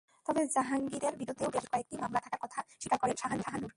তবে জাহাঙ্গীরের বিরুদ্ধে আগেও বেশ কয়েকটি মামলা থাকার কথা স্বীকার করেন শাহানূর।